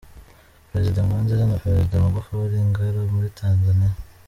Perezida Nkurunziza na Perezida Magufuri i Ngara muri Tanzania